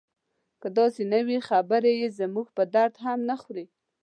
که داسې نه وي خبرې یې زموږ په درد هم نه خوري.